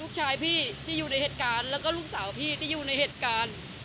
พี่ที่อยู่ในเหตุการณ์แล้วก็ลูกสาวพี่ที่อยู่ในเหตุการณ์